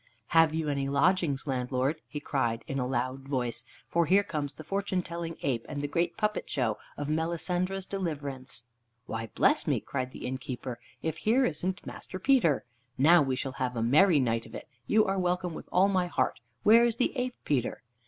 "Have you any lodgings, landlord?" he cried in a loud voice; "for here comes the fortune telling ape, and the great puppet show of Melisendra's Deliverance." "Why, bless me!" cried the innkeeper, "if here isn't Master Peter. Now we shall have a merry night of it. You are welcome, with all my heart. Where is the ape, Peter?"